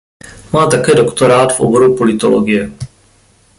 Má také doktorát v oboru politologie.